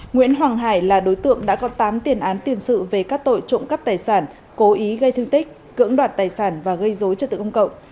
nguyễn hoàng hải là đối tượng đã có tám tiền án tiền sự về các tội trộm cắp tài sản cố ý gây thương tích cưỡng đoạt tài sản và gây dối trật tự công cộng